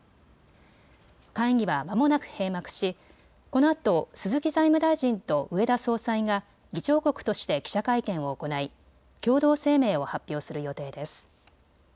会議はまもなく閉幕しこのあと鈴木財務大臣と植田総裁が議長国として記者会見を行い共同声明を発表する予定です。